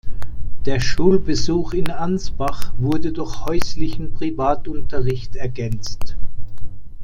Der Schulbesuch in Ansbach wurde durch häuslichen Privatunterricht ergänzt.